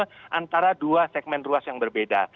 karena antara dua segmen ruas yang berbeda